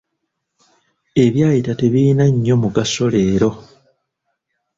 Ebyayita tebirina nnyo mugaso leero.